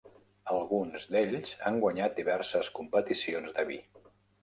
Alguns d'ells han guanyat diverses competicions de vi.